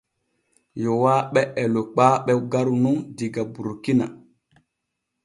Yowaaɓe e Lokpaaɓe garu nun diga Burkina.